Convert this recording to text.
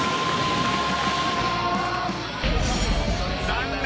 ［残念！